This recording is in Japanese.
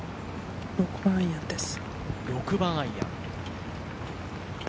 ６番アイアンです。